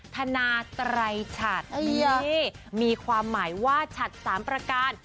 ธนาไตรฉัดนี่มีความหมายว่าฉัดสามประการ